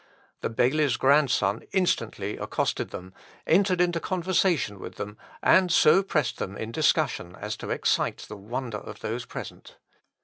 The bailie's grandson instantly accosted them, entered into conversation with them, and so pressed them in discussion as to excite the wonder of those present.